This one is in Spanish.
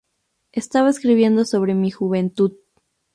Estaba escribiendo sobre mi juventud.